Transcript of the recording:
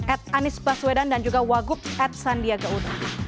ed anies baswedan dan juga wagup ed sandiaga udun